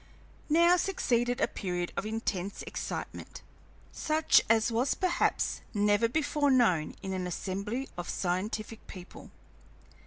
Now succeeded a period of intense excitement, such as was perhaps never before known in an assembly of scientific people.